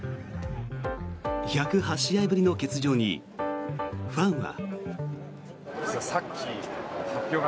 １０８試合ぶりの欠場にファンは。